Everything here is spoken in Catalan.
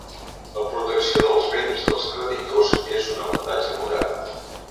La protecció dels béns dels creditors és un avantatge modern.